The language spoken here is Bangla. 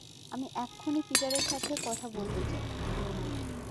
আমি এক্ষুণি পিটারের সাথে কথা বলতে চাই।